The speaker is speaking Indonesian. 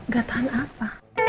ga tahan apa